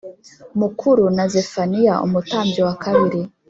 mukuru na Zefaniya umutambyi wa kabiri